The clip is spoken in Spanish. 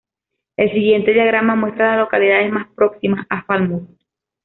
El siguiente diagrama muestra a las localidades más próximas a Falmouth.